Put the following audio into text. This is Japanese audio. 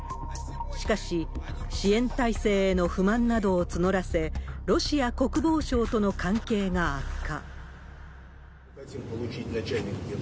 しかし、支援体制への不満などを募らせ、ロシア国防省との関係が悪化。